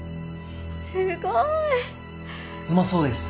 すごい！うまそうです。